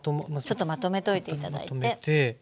ちょっとまとめといて頂いて。